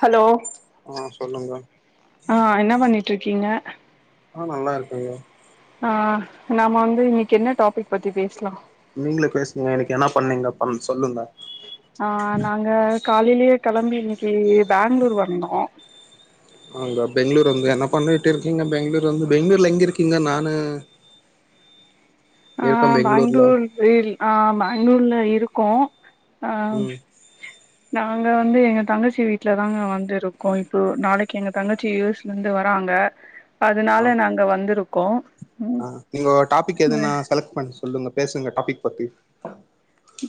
hello ஆ சொல்லுங்க ஆஹ் என்ன பண்ணிட்டு இருக்கீங்க ஆஹ் நல்லா இருக்கேன் ஐய்யா ஆஹ் நாம வந்து இன்னைக்கு என்ன டாபிக் பத்தி பேசலாம் நீங்களே பேசுங்க எனக்கு என்ன பண்ணீங்க பண்ண சொல்லுங்க ஆஹ் நாங்க காலையிலயே கிளம்பி இன்னிக்கு பெங்களூர் வந்தோம் ஆங்க பெங்களூர் வந்து என்ன பண்ணிட்டு இருக்கீங்க பெங்களூர் வந்து பெங்களூர்ல எங்க இருக்கீங்க நானு இருக்கே ஆஹ் பெங்களூர்ல பெங்களூர் இல் ஆஹ் பெங்களூர்ல இல் இருக்கோம் ஆஹ் ம் நாங்க வந்து எங்க தங்கச்சி வீட்டுலதாங்க வந்துருக்கோ இப்போ நாளைக்கு எங்க தங்கச்சி யு எஸ்ல இருந்து வராங்க அதுனால நாங்க வந்திரு கோம் ஆஹ் நீங்கோ டாபிக் எதனா செலக் பண்ண சொல்லுங்க பேசுங்க டாபிக் பத்தி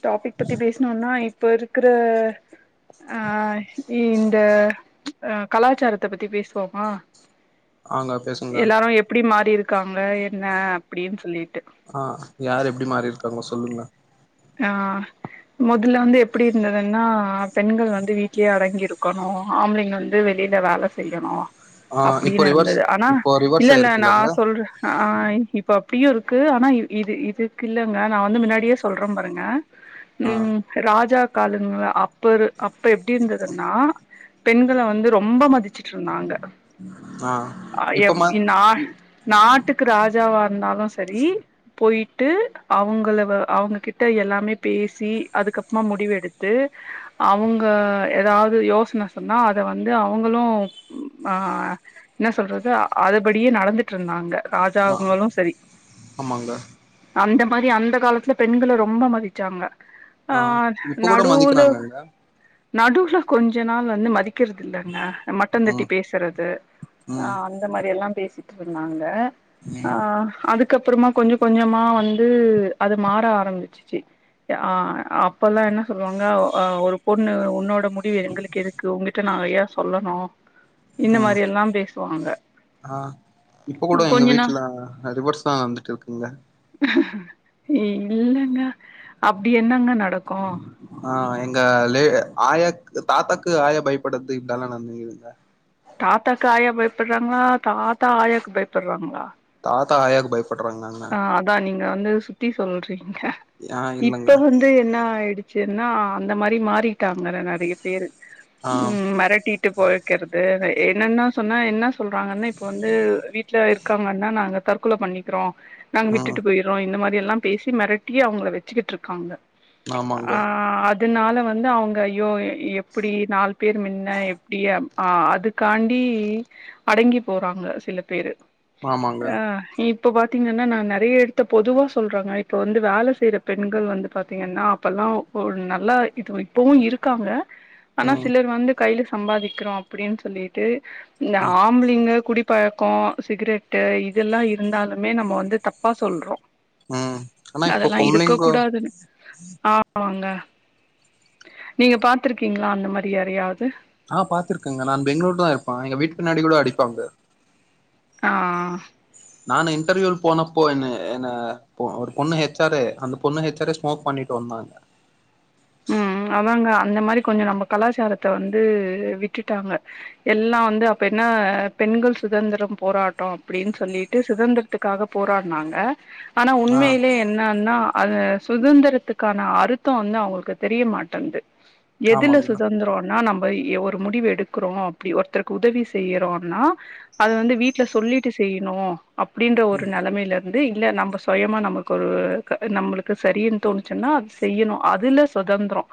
டாபிக் பத்தி பேசணும்னா இப்ப இருக்கிற ஆஹ் இந்த அஹ கலாச்சாரத்த பத்தி பேசுவோமா ஆங்க பேசுங்க எல்லாரும் எப்டி மாரி இருக்கு இருக்காங்க என்ன அப்டின்னு சொல்லி ஆஹ் யார் எப்டி மாறிருக்காங்கோ சொல்லுங்க ஆஹ் முதல்ல வந்து எப்படி இருந்ததுன்னா பெண்கள் வந்து வீட்டிலேயே அடங்கி இருக்கு க்கணும் ஆம்ளைங்க வந்து வெளில வேல செய்யணு ஆ இப்போ அப்படின்னு ரிவர்ஸ் இருந்தது ஆனா இப்போ ரிவர்ஸ் இல்ல இல்ல ஆயிருக்குல்லங்க நான் சொல்றேன் ஆஹ் இப்ப அப்டியும் இருக்கு ஆனா இது இதுக்கு இல்லலைங்க நான் வந்து முன்னாடியே சொல்றேன் ங்க ஆ உம் ராஜா காலங்லா ஆப் ப்பரு அப்ப எப்டி இருந்ததுன்னா பெண்களை வந்து ரொம்ப மதிச்சுட்டு இருந்தாங்க ஆ இப்பமா நா நாட்டுக்கு ராஜாவா இருந்தாலும் சேரி போயிட்டு அவங்கள அவங்க கிட் ட எல்லாமே பேசி அதுக்கப்மா முடிவெடுத்து அவங்க எதாவது யோசனை சொன்னா அத வந்து அவங்களும் ஆஹ் என சொல்றது அதுபடியே நடந்துட்ருந்தாங்க ஆ ராஜாங்களாலும் சேரி ஆமாங்க அந்த மாரி அந்த காலத்துல பெண்கள ரொம் ரொம்ப மதிச்சாங்க ஆ ஆஹ் இப்ப கூட மதிக்குறாங்கல நடுல கொஞ்ச நாள் வந்து மதிக் கிறதுயில்லங்க மட்ட தட்டி ம் பேசுறத ம் ஆஹ் அந்த மாதிரி எல்லா பேசி சொன்னாங்க ம் ஆஹ் அதுக்கு அதுக்கப்பறமா கொஞ்ச கொஞ்சமா வந்து அது மாற ஆரம்பிச்சு ச்சு ஆஹ் அப்பலாம் என்ன சொல்லுவாங்க ஆஹ் ஒரு பொண்ணு உன்னோட முடிவு எங்களுக்கு இருக்கு உங்கிட்ட நா ஏன் சொல்லணும் உம் ஆஹ் இப்ப கூட எங்க கொஞ்ச நா வீட்டுல ரிவேர்ஸ் தான் வந்துட்டு இருக்குங்க இல்லங்க அப்படி என்னங்க நட நடக்கும் இங்கலே ஆயா தாத்தாக்கு ஆயா பயப்படுறது இதல்லாம் நடக்கதுங்க தாத்தாக்கு ஆயா பயப்படுறாங்களா தாத்தா ஆயாவுக்கு பயப்படுறாங்களா தாத்தா ஆயாக்கு பயம் படுன்றாங்னா க வந்து சுத்தி சொல்றிங்க ஆ இப்ப இல்லங்க வந்து என்ன ஆயிடு சென்னா அந்த மாரி மாறிகிடாங்க நிறைய பேரு ஆ உம் மராட்டி விட்டு போய்கிறது என்னென்ன சொன்னால் என்ன சொல்றாங்கன்னா இப்போ வந்து வீட்ல இருக்காங்கன்னா நாங்கள் தற்கொலை பண்ணிக்கிறோம் நாங்க ம் விட்டுட்டு போயறோம் இந்த மாரி எல்லாம் பேசி மிரட்டிய அவங்கள வச்சுக்கிட்டு இருக்காங்க ஆமாங்க ஆஹ் அத் அதனால வந்து அவங்க ஐயோ எப்டி நாலு பேர் முன்ன எப்டி அதுக்காண்டி அடங்கி போறாங்க சில பேரு ஆமாங்க ஆஹ் இ இப்போ பா பாத்தீங்கன்னா நா நிறைய இடத்த பொதுவாக சொல்கிறாங்க இப்போ வந்து வேல செய்கிற பெண்கள் வந்து பாத்தீங்கன்னா அப்போல்லா ஒரு நல்லா இது இப்போவும் இருக்காங்க ஆனா ம் சிலர் வந்து கையில சம்பாதிக்கிறோம் அப்டின்னு சொல்லிட்டு ந்த ம் ஆம்ளிங்க குடி பழக்கம் சிகரெட் இதெல்லாம் இருந்தாலும் னிமே நம்ப வந்து தப்பா சொல்றோம் ம் ஆனா இப்போ அதெல்லாம் இருக்க பொம்பளைங்கோ கூடாதுன்னு ஆமாங்க நீங்க பார்த்திருக்கீங்களா அந்த மாரி யாரையாவது ஆஹ் பாத்துருக்கேங்க நான் பெங்களூர் தான் இருப்பேன் எங்க வீட்டு பின்னாடி கூட அடிப்பாங்க ஆஹ் நான் இன்டர்வியூ போனப்போ என்ன என்ன ஒரு பொண்ணு ஹச் ஆ ரு அந்த பொண்ணு ஹச் ஆ ரு ஸ்மோக் பண்ணிட்டு வந்தாங்க உம் அதாங்க அந்த மாரி கொஞ்ச நம்ப கலாச்சாரத்தை வந்து விட்டுட்டாங்க எல்லாம் வந்து அப்ப என்ன பெண்கள் சுதந்திரம் போராட்டம் அப்படின்னு சொல்லிட்டு சுதந்திரத்துக்காக போராடினாங்க ஆனா ஆ உண்மையிலயே என்னன்னா அது சுதந்திரத்துக்கான அருத்தம் வந்து அவுங்களுக்கு தெரியமாட்டேங்கிது எதுல ஆமாங்க சுதந்திரம்னா நம் ஒரு முடிவு எடுக்கறோம் அப்டி ஒருத்தருக்கு உதவி செய்றோம்னா அது வந்து வீட்டுல சொல்லிட்டு செய்யணும் அப்டின்ற ஒரு நிலைமைல வந்து இல்ல நம்ப சுயமா நமக்கு ஒரு நம்பளுக்கு சேரினு தோணுச்சுன்னா அது செய்யணும் அதுல சுதந்திரம்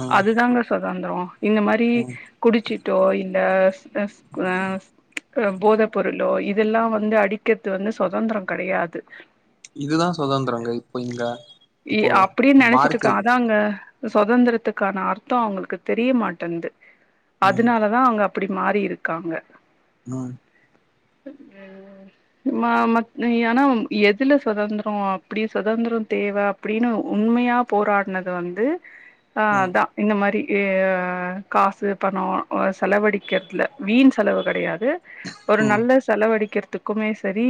ம் அதுதாங்க சொல் வந்துரும் இந்த மாரி ம் குடிச்சிட்டோ இல் அ [unintelligible] போதப்பொருளோ இதெல்லாம் வந்து அடிக்கிற்து வந்து சுதந்திரம் கிடையாது இதுதான் சுதந்திரங்க இப்போ இங்க இ இப்போ அப்டின்னு நெனைச்சிட்டு இருக்கா மார்க்க அதாங்க சுதந்திரத்துக்கான அர்த்தம் அவங்களுக்கு தெரிய மாட்டேங்கிது ம் அதனாலதான் அவங்க அப்டி மாரி இருக்காங்க நோ ஏனா எதுல சுதந்திரம் அப்டி சுதந்திரம் தேவை அப்படின்னு உண்மையா போரா ட்டுனது வந்து ஆஹ் ம் அதான் இந்த மாரி ஏயா காசு பணம் செலவடிக்க வக்கிறது இல்ல வீண் செலவு கிடையாது ஒரு ம் நல்ல செலவடிக்கிறது த்துக்குமே சேரி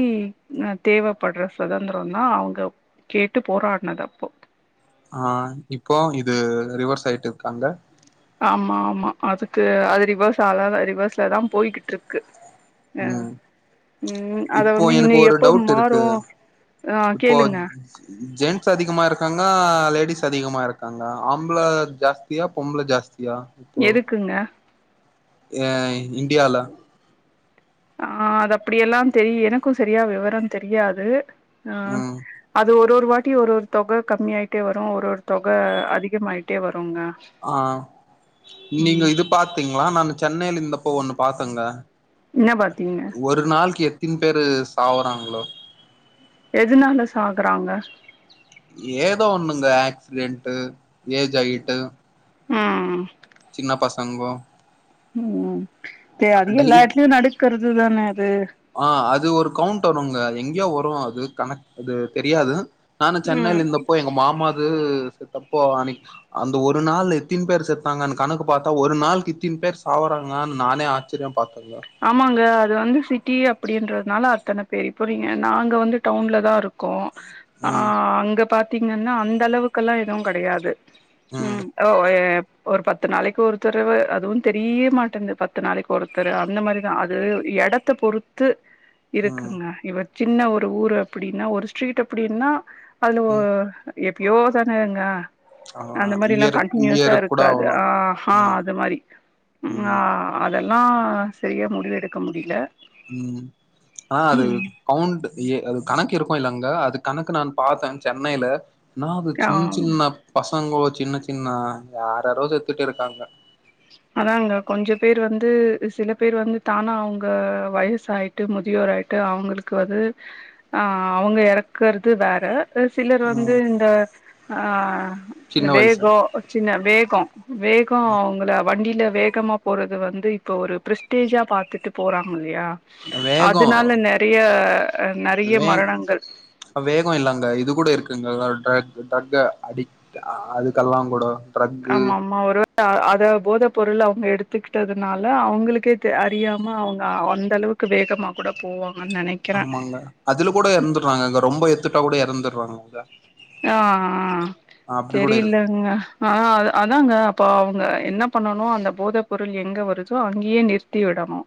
ஹ தேவப்பட்ற சுதந்திரம் நா அவுங்க கேட்டு போராட்னது அப்போ ஆஹ் இப்போ இது ரிவர் சைட் இருக்காங்க ஆமா ஆமா அதுக்கு அது ரிவர்ஸ் ஆள ரிவர்ஸ்லதான் போய்கிட்டு இருக்கு அஹ் ம் உம் அத இப்போ வந்து எனக்கு இன்னும் ஒரு எப்ப டவுட் இருக்கு மாறும் அஹ் இப்போ கேளுங்க ஜென்ஸ் அதிகமா இருக்காங்க லேடிஸ் அதிகமா இருக்காங்க ஆம்பள ஜாஸ்தியா பொம்பள ஜாஸ்தி ஏன் இப்போ எதுக்குங்க ஏஹ் இந்தியால ஆஹ் அது அப்டிலாம் தெரி எனக்கும் சரியா விவரம் தெரியாது ஆஹ் ம் அது ஒரு ஒரு ஒரு வாட்டி ஒரு ஒரு தொகை கம்மியயிட்டே வரும் ஒரு ஒரு தொகை அதிகமாயிட்டே வரும் ஆஹ் நீங்க ம் இது பாத்தீங்களா நான் சென்னையில இரு இந்தப்ப ஒண்ணு பாதங்க என்ன பாத்தீங்க எதன் பேரு சாவுறாங்களோ எதுனால சாகுறாங்க ஏதோ ஒண்ணுங்க ஆக்சிடென்ட ஏஜ் ஆயிட்டு ஆஹ் சின்ன பசங்கோ உம் இப்ப அதையும் எல்லா டெய் வீட்டுலயும் நடக்கிறது தானே அது ஆஹ் அது ஒரு கவுண்ட வருங்க எங்கேயோ வரும் அது கணக்கு அது தெரியாது நானு சென்னையில ம் இருந்தப்போ எங்க மாமாது செத்தாப்போ அ அந்த ஒரு நாள் எதன் பேர் செத்தாங்க கணக்கு பார்த்தா ஒரு நாளைக்கு இதின் பேர் சாவங்க நானே ஆச்சரிய ஆமாங்க அது வந்து சிட்டி அப்படின்றதுனால அத்தனை பேர் இப்போ நீங்க நாங்கள் வந்து டவுன் தான் இருக்கோம் ம் ஆஹ் அங்க பாத் பத்தீங்கன்னா அந்த அளவுக்கல்லா எதுவும் கிடையாது ம் உம் ஓ எ ஒரு பத்து நாளைக்கு ஒருத்தருவ அதுவும் தெரிய மாட்டேது பத்து நாளைக்கு ஒருத்தர் அந்த மாரிதா அது இடத்த பொறுத்து ம் இருக்குங்க இவ சின்ன ஒரு ஊரு அப்டினா ஒரு ஸ்ட்ரீட் அப்படின்னா அதுல ஓ ம் எப்பயோ தானேங்க ஆ அந்த மாரி எல்லா இயருக்கு கண்டினியூஸா இயருக்கு கூட இருக்காது ஆவலா ஆஹ் ஆஹ அது மாரி ஆஹ ம் ம் அந்த அதெல் ஆஹ் சரியாக முடிவு எடுக்க முடியல உம் ஆஹ் அது கவுண்ட் ஏ அது கணக்கு இருக்கோ இல்லங்க அது கணக்கு நான் பார்த்தேன் சென்னையில நா அது ஆ சின்ன சின்ன பச அங்க சின்ன சின்ன யார யாரோ செத்துட்டு இருக்காங்க அதாங்க கொஞ்ச பேர் வந்து சில பேர் வந்து தானா அவங்க வயச ஆயிட்டு முதியோர ஆயிட்டு அவங்களுக்கு வந்து ஆஹ் அவங்க இறக்கறது வேற சிலர் வந்து ம் இந்த ஆஹ் சின்ன வயசு வேகோ சின்ன வேகோ வே கும் வேகம் அவங்கள வண்டியில வேகமா போறது வந்து இப்ப ஒரு பிரஸ்டேஜா பாத்துட்டு போறாங்க இல்லையா வேகோ அதனால நிறைய வே வேகம் இல்லாங்க இது கூட இருக்குங்க டிரக் டிரக்கு அடிட் அதுக்கெல்லாம் கூட ட்ரக்கு ஆமா ஆமா ஒரு அத போதை பொருள் அவங்க எடுத்துக்கிட்டதுனால அவங்களுக்கே அறியாம அவங்க அந்தளவுக்கு வேகமாக கூட போவாங்க ஆமாங்க அதுல கூட இறந்துறாங்க அங்க ரொம்ப எத்துட்டா கூட இறந்துடு வாங்க ஆஹ் கூட இருக்கு இப்போ அவங்க என்ன பண்ணணும் அந்த போதைப்பொருள் எங்கே வருதோ அங்கேயே நிறுத்தி விடணும்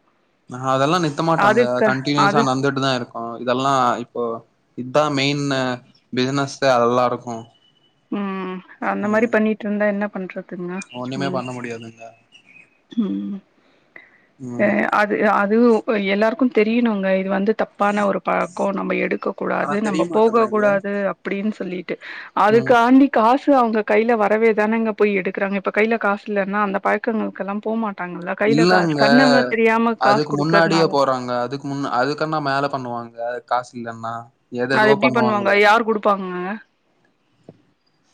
ஆஹ் அதெல்லாம் நித்த மாட்டாங்க கண்டினியுஸா அது நடந்துட்டு தான் இருக்குகோ இதெல்லாம் இப்போ இதுதான் மெயினு பிசினஸ்சே எல்லாருக்கும் ம் அந்த மாரி பண்ணிட்டு இருந்தா என்ன பன்றது துங்க ஒண்ணுமே உம் பண்ண முடியாதுங்க உம் ம் அஹ் அது அது இப்ப எல்லாருக்கும் தெரியனுங்க இது வந்து தப்பான ஒரு பழக்கோ நம்ப எடுக்க ஆனா கூடாது நம்ப போக தெரியமாட்டேந்தங்க கூடாது அப்படின்னு சொல்லி ட்டு அதுக் ம் காண்டி காஸ் அவங்க கையில வரவே தானேங்க போய் எடுக்கிறாங்க இப்ப கைல காசு இல்லைன்ன அந்த பழக்கங்க எல்லாம் போக மாட் இல்லங்க காசு அதுக்கு முன்னாடியே குடுக்கறனால போறாங்க அதுக்கு முன்ன அதுக்குன்னா மேல பண்ணுவாங்க காசு இல்லன்னா எது அது எதுவோ எப்டி பண்ணுவாங்க பண்ணுவாங்கள யார் குடுப்பாங்கங்க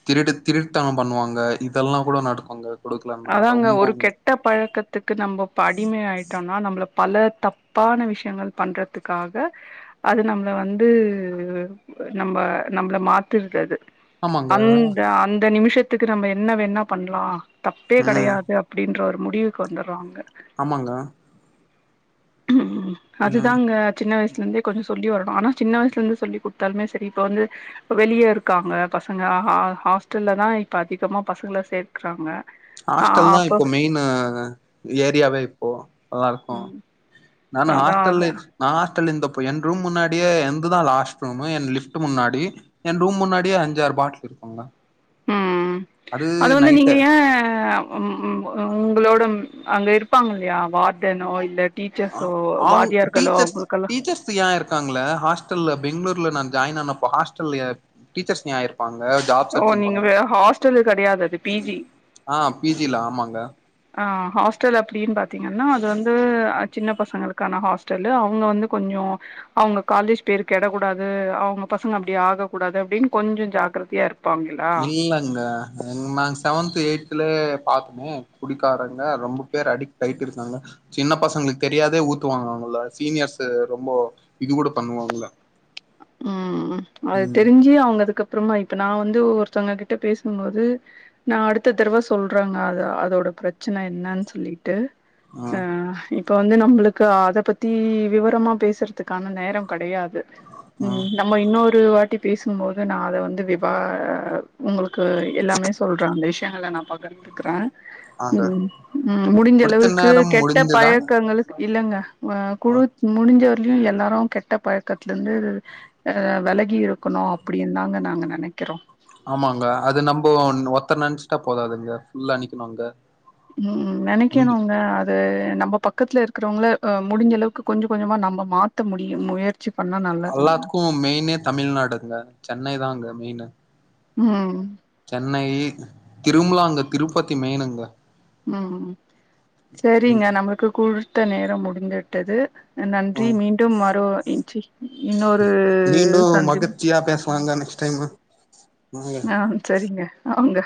திருடு திருட்டுத்தனம் பண்ணுவாங்க இதெல்லாம் கூட நடக்குாங்க அதாங்க ஒரு கெட்ட பழக்கத்துக்கு நம்ப அடிமை ஆயிட்டோம்னா நம்பள பல தப்பான விஷயங்கள் பண்றதுக்காக அது நம்மளை வந்து நம்ம நம்மளை மாத்திட்டாது அது ஆமாங்க அந்த அந் ரெண்டு நிமிஷத்துக்கு நம்ம என்ன வேணா பண்ணலா தப்பே ம் கிடையாது அப்படின்ற ஒரு முடிவுக்கு வந்துறாங்க ஆமாங்க அது ம் தாங்க சின்ன வயசு சின்னவயசுல இருந்தே கொஞ்ச சொல்லி வரணும் ஆனா சின்ன வயசுல இருந்து சொல்லி கொடுத்தாலுமே சேரி இப்ப வந்து வெளியே இருக்காங்க பசங்க ஹ ஹாஸ்டல்ல தான் இப்ப அதிகமா பசங்களை சேர்க்கறாங்க ஹாஸ்டல் தான் இப்போ மெயின் ஏரியாவே ஓ நல்லா இருக்குகோ ம் நானும் அதா ஹாஸ்டல்ல அதா நா இருந்தப்போ என் ரூம் முன்னாடியே எனதுதான் லாஸ்ட் ரூம் என் லிப்ட் முன்னாடி என் ரூம் முன்னாடியே அஞ்சு ஆறு பாட்டில் இருக்குங்க உம் அது வந்து நீங்க ஏன் உம் உம் உங்களோட அங்க இருப்பாங்க இல்லையா வார்டனோ இல்ல அ டீச்சர்ஸோ ஆங் வாத்தியார்களோ டீச்சர்ஸ் அவங்களுக்கெல்லா டீச்சர்ஸ் ஏன் இருக்காங்கள ஹாஸ்டல்ல பெங்களூர் ல நான் ஜாயின் ஆண்ணப்ப ஹாஸ்டல் டீச்சர்ஸ் ஆயிருக்கு ப்பங்க ஜாப் ஓ சர்ச்சிங் நீங்க ஹாஸ்டலு கெடையாது அது பி ஜி ஆஹ் பீ ஜில ஆமாங்க ஆஹ் ஹாஸ்டல் அப்டினு பாத் பாதீங்கனா அது வந்து சின்ன பசங்களுக்கான ஹாஸ்டலு அவங்க வந்து கொஞ்ச அவங்க காலேஜ் பேரு கிடக்க கூடாது அவங்க பசங்க அப்படி ஆகக்கூடாது அப்படின்னு கொஞ்சோ ஜாக்கிரதையா இருக்கு இல்லங்க நா செவன்த் எய்துலா பாத்தமே குடிக்காரவங்க ரொம்ப பேர் அடிக்ட் ஆயிட்டு இருக்காங்க சின்ன பசங்களுக்கு தெரியாதே ஊத்துவாங்க அவங்கள சீனியர்ஸ் ரொம்ப இது கூட பண்ணுவாங்கலா உம் அது தெரிஞ்சு அவங்க அதுக்கப்பற அப்புறமா இப்ப நான் வந்து ஒருத்தவங்க கிட்ட பேசும்போது நான் அடுத்த தடவை சொல்றாங்க அத அதோட பிரச்சனை என்னனு சொல்லி ட்டு ம் ஆஹ் இப்போ வந்து நம்பளுக்கு அத பத்தி விவரமா பேசுறதுக்கான நேரம் கிடையாது உம் ம் நம்ம இன்னொரு வாட்டி பேசும்போது நான் அத வந்து விவா உங்களுக்கு எல்லாமே சொல்றேன் அந்த விஷயங்கள நா பகிர்ந்துக்கிறேன் ஆங்க உம் ம் முடிஞ்ச குடுத்த அளவுக்கு நேரம் கெட்ட முடிந்துதான் பழக்கங்களுக்கு இல்லங்கா ஆ குடுத் முடிஞ்சவர் உம் எல்லாரும் கெட்ட பழக்கத்தல இருந்து அஹ் விலகி இருக்கணும் அப்படின்னு தாங்க நாங்க நினைக்கிறோம் ஆமாங்க அது நம்ப ஒத்த நினைச்சுட்டா போதாதுங்க புல்லா நினைக்கானுங்க உம் நினைக்கணுங்க நம்ப பக்கத்துல இருக்கிறவங்கள முடிஞ்ச அளவுக்கு கொஞ்ச கொஞ்சமா நம்ம மாத்த முடியும் முய அல்லாத்துக்கும் மெயினே தமிழ்நாடுங்க சென்னை தாங்க மெயினு ம் சென்னை திரும்பலா அங்க திருப்பதி மெயனுங்க ம் சேரிங்க நம்மளுக்கு கூழ் குடுத்த நேரம் முடிந்துவிட்டது நன்றி ம் மீண்டும் வரு இன்றி இன்னொரு மீண்டும் சந்திப் மகிழ்ச்சியா பேசலாங்க நெக்ஸ்ட் டைம் வாங்க ஆ சரிங்க அவங்க